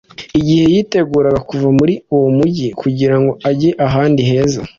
Igihe yiteguraga kuva muri uwo mujyi kugira ngo ajye ahandi heza